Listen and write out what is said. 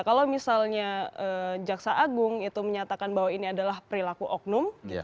kalau misalnya jaksa agung itu menyatakan bahwa ini adalah perilaku oknum